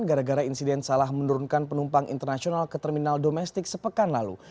gara gara insiden salah menurunkan penumpang internasional ke terminal domestik sepekan lalu